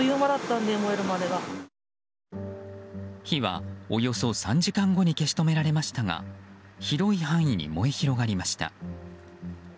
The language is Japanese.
火は、およそ３時間後に消し止められましたが広い範囲に燃え広がりました。